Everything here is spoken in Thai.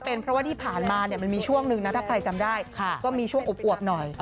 เป็นเพราะว่าที่ผ่านมาเนี่ยมันมีช่วงนึงนะถ้าใครจำได้ก็มีช่วงอวบหน่อย